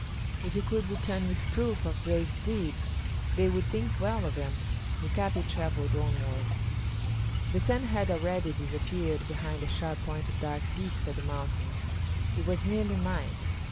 If he could return with proof of brave deeds, they would think well of him. Mika´pi travelled onward. The sun had already disappeared behind the sharp pointed dark peaks of the mountains. It was nearly night.